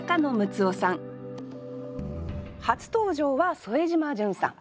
初登場は副島淳さん。